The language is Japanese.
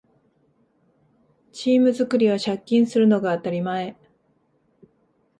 チーム作りは借金するのが当たり前